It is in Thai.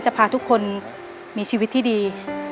ก็จะทำให้คนมีชีวิตที่ดี